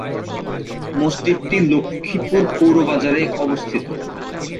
মসজিদটি লক্ষ্মীপুর পৌর বাজারে অবস্থিত।